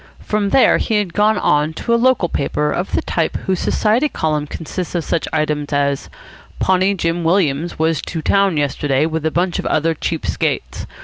From there he had gone to a local paper of the type whose Society column consists of such items as "Pawnee Jim Williams was to town yesterday with a bunch of other cheap skates.